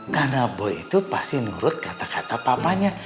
karena boy itu pasti nurut kata kata papanya